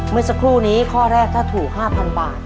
เมื่อสักครู่นี้ข้อแรกถ้าถูก๕๐๐๐บาท